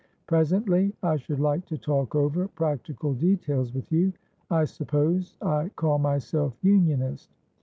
Presently I should like to talk over practical details with you. I suppose I call myself Unionist?